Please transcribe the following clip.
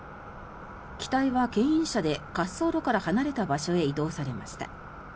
機体はけん引車で滑走路から離れた場所へ移動されました。